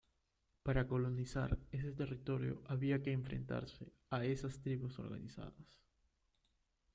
Para colonizar este territorio había que enfrentarse a estas tribus organizadas.